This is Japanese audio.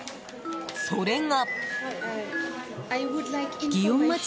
それが。